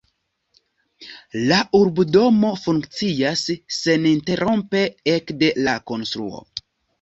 La urbodomo funkcias seninterrompe ekde la konstruo.